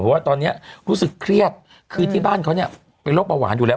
ว่าตอนนี้รู้สึกเครียดคือที่บ้านเขาเนี่ยเป็นโรคเบาหวานอยู่แล้ว